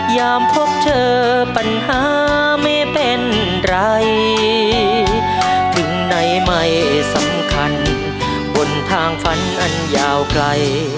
พบเธอปัญหาไม่เป็นไรถึงไหนไม่สำคัญบนทางฝันอันยาวไกล